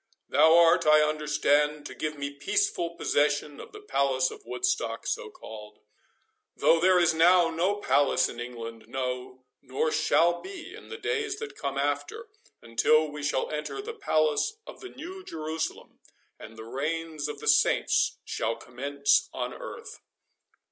—Thou art, I understand, to give me peaceful possession of the Palace of Woodstock, so called—though there is now no palace in England, no, nor shall be in the days that come after, until we shall enter the palace of the New Jerusalem, and the reign of the Saints shall commence on earth."